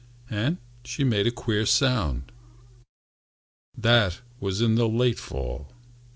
And she made a queer sound. That was in the late fall.